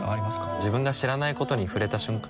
自分が知らないことに触れた瞬間